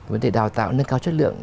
vấn đề đào tạo nâng cao chất lượng